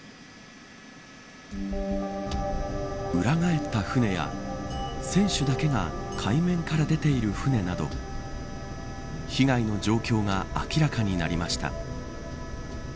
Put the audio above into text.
裏返った船や船首だけが海面から出ている船など被害の状況が明らかになりました。